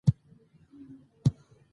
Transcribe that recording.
نړۍ ډیجیټل شوې ده.